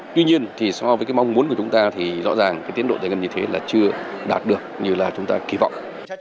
tuy nhiên thì so với cái mong muốn của chúng ta thì rõ ràng cái tiến độ giải ngân như thế là chưa đạt được như là chúng ta kỳ vọng